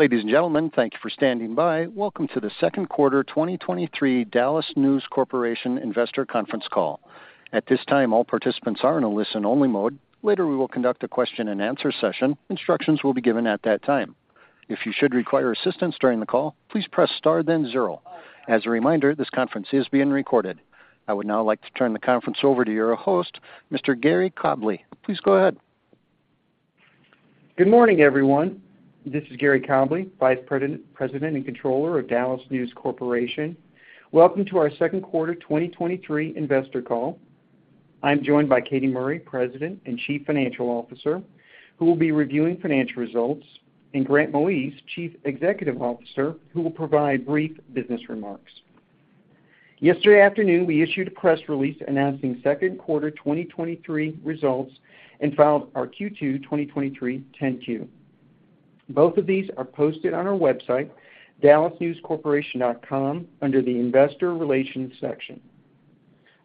Ladies and gentlemen, thank you for standing by. Welcome to the second quarter 2023 DallasNews Corporation Investor Conference Call. At this time, all participants are in a listen-only mode. Later, we will conduct a question-and-answer session. Instructions will be given at that time. If you should require assistance during the call, please press star then zero. As a reminder, this conference is being recorded. I would now like to turn the conference over to your host, Mr. Gary Cobleigh. Please go ahead. Good morning, everyone. This is Gary Cobleigh, President and Controller of DallasNews Corporation. Welcome to our second quarter, 2023 investor call. I'm joined by Katy Murray, President and Chief Financial Officer, who will be reviewing financial results, and Grant Moise, Chief Executive Officer, who will provide brief business remarks. Yesterday afternoon, we issued a press release announcing second quarter 2023 results and filed our Q2 2023 10-Q. Both of these are posted on our website, dallasnewscorporation.com, under the Investor Relations section.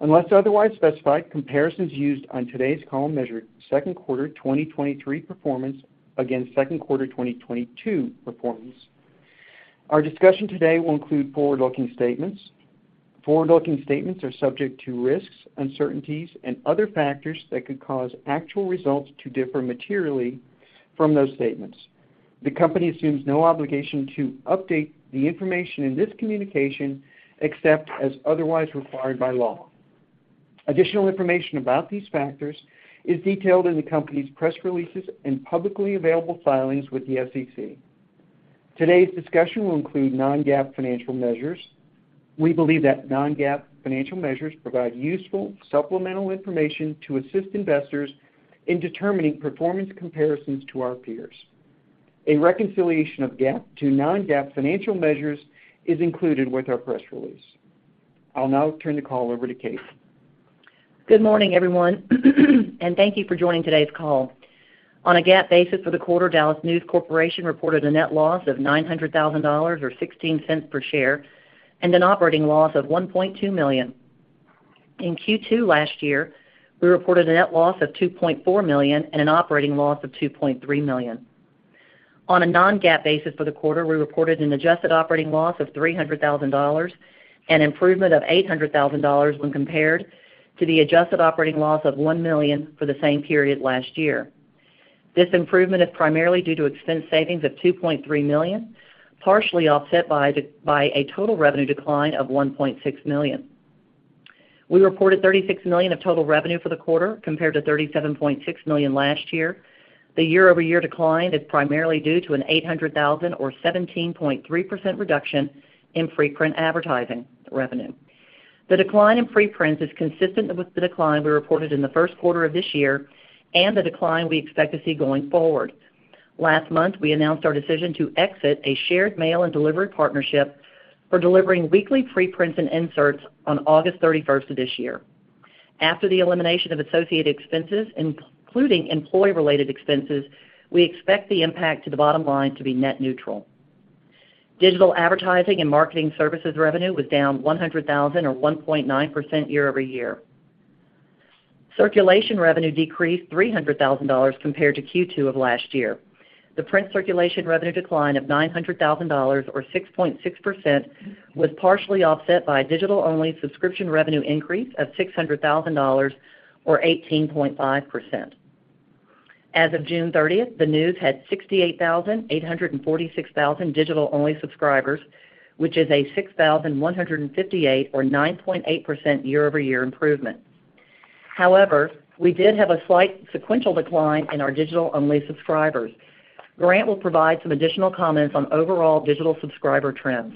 Unless otherwise specified, comparisons used on today's call measure second quarter 2023 performance against second quarter 2022 performance. Our discussion today will include forward-looking statements. Forward-looking statements are subject to risks, uncertainties and other factors that could cause actual results to differ materially from those statements. The company assumes no obligation to update the information in this communication, except as otherwise required by law. Additional information about these factors is detailed in the company's press releases and publicly available filings with the SEC. Today's discussion will include non-GAAP financial measures. We believe that non-GAAP financial measures provide useful supplemental information to assist investors in determining performance comparisons to our peers. A reconciliation of GAAP to non-GAAP financial measures is included with our press release. I'll now turn the call over to Katy. Good morning, everyone, and thank you for joining today's call. On a GAAP basis for the quarter, DallasNews Corporation reported a net loss of $900,000, or $0.16 per share, and an operating loss of $1.2 million. In Q2 last year, we reported a net loss of $2.4 million and an operating loss of $2.3 million. On a non-GAAP basis for the quarter, we reported an adjusted operating loss of $300,000, an improvement of $800,000 when compared to the adjusted operating loss of $1 million for the same period last year. This improvement is primarily due to expense savings of $2.3 million, partially offset by a total revenue decline of $1.6 million. We reported $36 million of total revenue for the quarter, compared to $37.6 million last year. The year-over-year decline is primarily due to an $800,000, or 17.3% reduction in preprint advertising revenue. The decline in preprints is consistent with the decline we reported in the first quarter of this year and the decline we expect to see going forward. Last month, we announced our decision to exit a shared mail and delivery partnership for delivering weekly preprints and inserts on August 31st of this year. After the elimination of associated expenses, including employee-related expenses, we expect the impact to the bottom line to be net neutral. Digital advertising and marketing services revenue was down $100,000, or 1.9% year-over-year. Circulation revenue decreased $300,000 compared to Q2 of last year. The print circulation revenue decline of $900,000, or 6.6%, was partially offset by digital-only subscription revenue increase of $600,000, or 18.5%. As of June 30th, the news had 68,846,000 digital-only subscribers, which is a 6,158, or 9.8% year-over-year improvement. We did have a slight sequential decline in our digital-only subscribers. Grant will provide some additional comments on overall digital subscriber trends.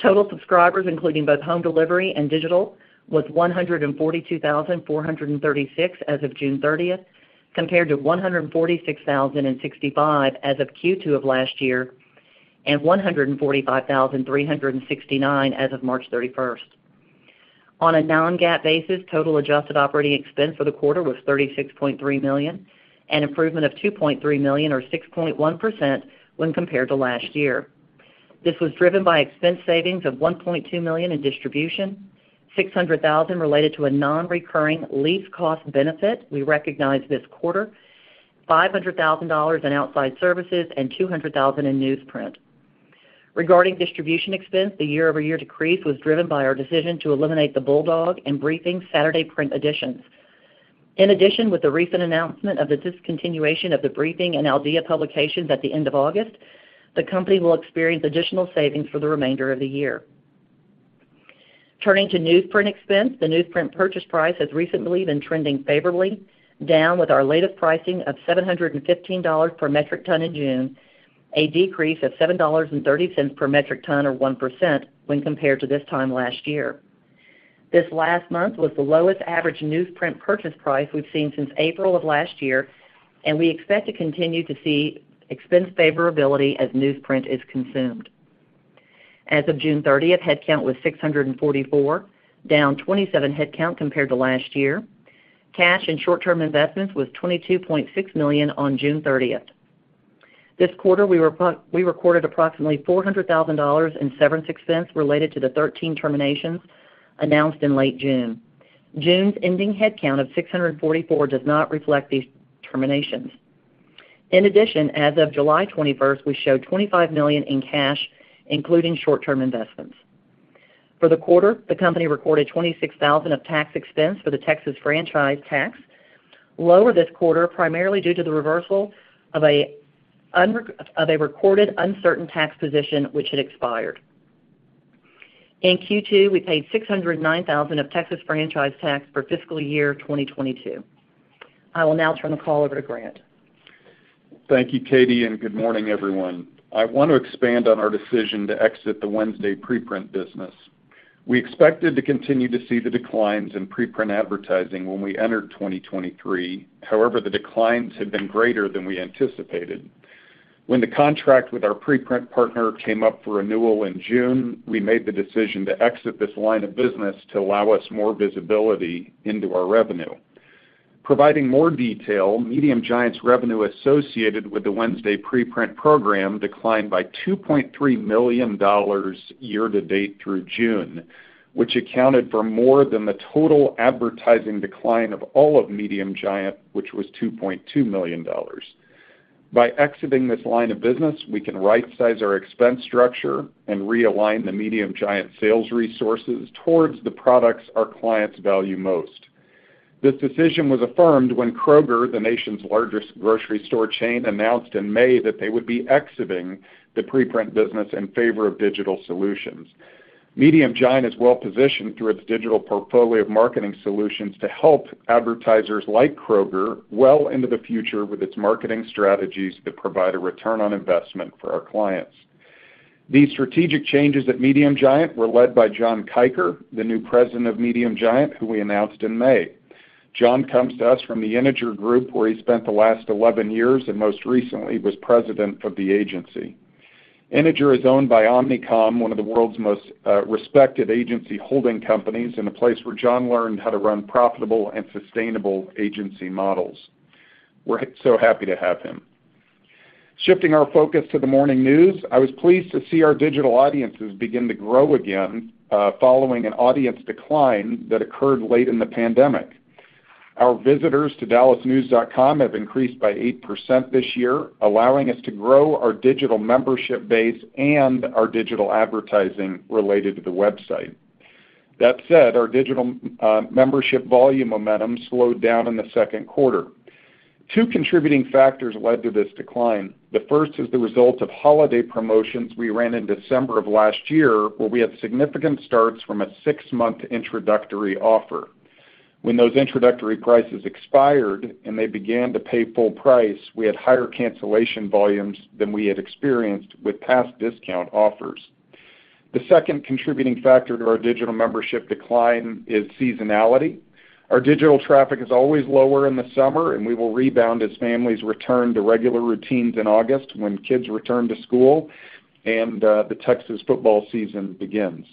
Total subscribers, including both home delivery and digital, was 142,436 as of June 30th, compared to 146,065 as of Q2 of last year, and 145,369 as of March 31st. On a non-GAAP basis, total adjusted operating expense for the quarter was $36.3 million, an improvement of $2.3 million, or 6.1% when compared to last year. This was driven by expense savings of $1.2 million in distribution, $600,000 related to a non-recurring lease cost benefit we recognized this quarter, $500,000 in outside services, and $200,000 in newsprint. Regarding distribution expense, the year-over-year decrease was driven by our decision to eliminate the Bulldog and Briefing Saturday print editions. In addition, with the recent announcement of the discontinuation of the Briefing and Al Dia publications at the end of August, the company will experience additional savings for the remainder of the year. Turning to newsprint expense, the newsprint purchase price has recently been trending favorably, down with our latest pricing of $715 per metric ton in June, a decrease of $7.30 per metric ton, or 1%, when compared to this time last year. This last month was the lowest average newsprint purchase price we've seen since April of last year. We expect to continue to see expense favorability as newsprint is consumed. As of June 30th, headcount was 644, down 27 headcount compared to last year. Cash and short-term investments was $22.6 million on June 30th. This quarter, we recorded approximately $400,000 in severance expense related to the 13 terminations announced in late June. June's ending headcount of 644 does not reflect these terminations. In addition, as of July 21st, we showed $25 million in cash, including short-term investments. For the quarter, the company recorded $26,000 of tax expense for the Texas franchise tax, lower this quarter, primarily due to the reversal of a recorded uncertain tax position which had expired. In Q2, we paid $609,000 of Texas franchise tax for fiscal year 2022. I will now turn the call over to Grant. Thank you, Katy. Good morning, everyone. I want to expand on our decision to exit the Wednesday preprint business. We expected to continue to see the declines in preprint advertising when we entered 2023. However, the declines have been greater than we anticipated. When the contract with our preprint partner came up for renewal in June, we made the decision to exit this line of business to allow us more visibility into our revenue. Providing more detail, Medium Giant's revenue associated with the Wednesday preprint program declined by $2.3 million year to date through June, which accounted for more than the total advertising decline of all of Medium Giant, which was $2.2 million. By exiting this line of business, we can rightsize our expense structure and realign the Medium Giant sales resources towards the products our clients value most. This decision was affirmed when Kroger, the nation's largest grocery store chain, announced in May that they would be exiting the preprint business in favor of digital solutions. Medium Giant is well positioned through its digital portfolio of marketing solutions to help advertisers like Kroger well into the future with its marketing strategies that provide a return on investment for our clients. These strategic changes at Medium Giant were led by John Kiker, the new president of Medium Giant, who we announced in May. John comes to us from The Integer Group, where he spent the last 11 years, and most recently, was president of the agency. Integer is owned by Omnicom, one of the world's most respected agency holding companies, and a place where John learned how to run profitable and sustainable agency models. We're so happy to have him. Shifting our focus to the Morning News, I was pleased to see our digital audiences begin to grow again, following an audience decline that occurred late in the pandemic. Our visitors to dallasnews.com have increased by 8% this year, allowing us to grow our digital membership base and our digital advertising related to the website. That said, our digital membership volume momentum slowed down in the second quarter. Two contributing factors led to this decline. The first is the result of holiday promotions we ran in December of last year, where we had significant starts from a six-month introductory offer. When those introductory prices expired and they began to pay full price, we had higher cancellation volumes than we had experienced with past discount offers. The second contributing factor to our digital membership decline is seasonality. Our digital traffic is always lower in the summer. We will rebound as families return to regular routines in August when kids return to school and the Texas football season begins.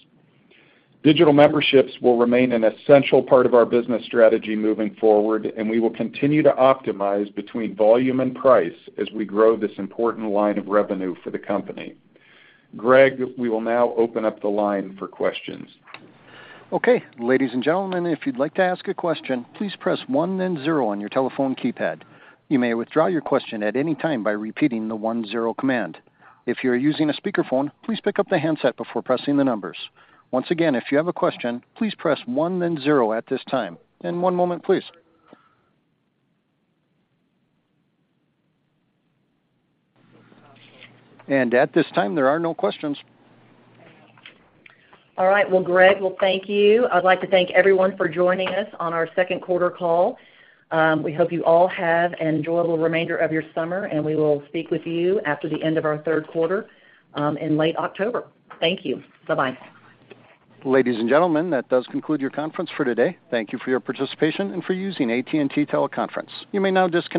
Digital memberships will remain an essential part of our business strategy moving forward. We will continue to optimize between volume and price as we grow this important line of revenue for the company. Greg, we will now open up the line for questions. Okay. Ladies and gentlemen, if you'd like to ask a question, please press one then zero on your telephone keypad. You may withdraw your question at any time by repeating the 1-0 command. If you're using a speakerphone, please pick up the handset before pressing the numbers. Once again, if you have a question, please press one, then zero at this time. One moment, please. At this time, there are no questions. All right. Well, Greg, well, thank you. I'd like to thank everyone for joining us on our second quarter call. We hope you all have an enjoyable remainder of your summer, and we will speak with you after the end of our third quarter in late October. Thank you. Bye-bye. Ladies and gentlemen, that does conclude your conference for today. Thank you for your participation and for using AT&T Teleconference. You may now disconnect.